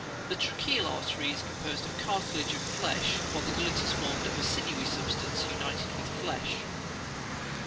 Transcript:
The tracheal artery is composed of cartilage and flesh, while the gullet is formed of a sinewy substance united with flesh.